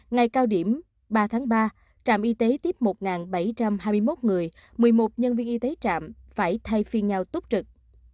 ngày cao điểm ba tháng ba trạm y tế tiếp một bảy trăm hai mươi một người một mươi một nhân viên y tế trạm phải thay phiên nhau tốt trực